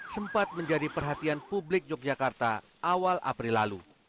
sempat menjadi perhatian publik yogyakarta awal april lalu